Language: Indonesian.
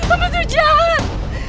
apa itu jahat